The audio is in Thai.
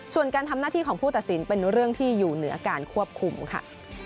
ส่วนการทำหน้าที่ของผู้ตัดสินเป็นเรื่องที่อยู่เหนือการควบคุมค่ะ